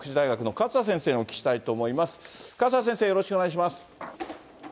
勝田先生、よろしくお願いします。